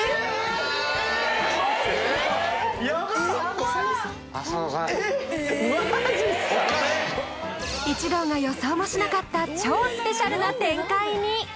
ヤバッ一同が予想もしなかった超スペシャルな展開に！